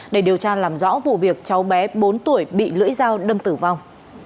để điều tra làm rõ vụ việc cháu bé bốn tuổi bị lưỡi dao đâm tử vong